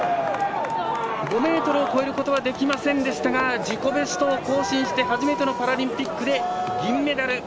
５ｍを超えることはできませんでしたが自己ベストを更新して初めてのパラリンピックで銀メダル！